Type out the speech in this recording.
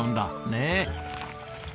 ねえ。